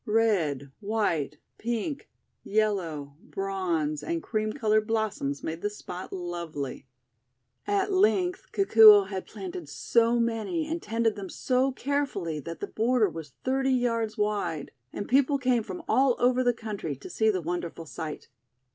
Red, white, pink, yellow, bronze, and cream coloured blossoms made the spot lovely. At length Kikuo had planted so many and tended them so carefully that the border was thirty yards wide, and people came from all over the country to see the wonderful sight.